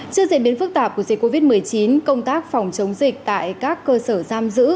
trước diễn biến phức tạp của dịch covid một mươi chín công tác phòng chống dịch tại các cơ sở giam giữ